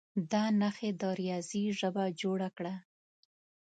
دا نښې د ریاضي ژبه جوړه کړه.